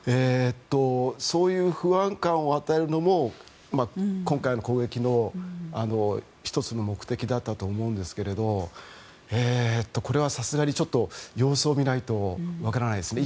そういう不安感を与えるのも今回の攻撃の１つの目的だったと思うんですけどこれはさすがに様子を見ないと分からないですね。